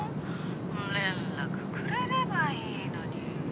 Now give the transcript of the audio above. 連絡くれればいいのに。